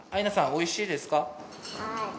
美味しいですか？